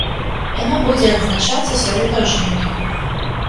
Яно будзе адзначацца сёлета ў жніўні.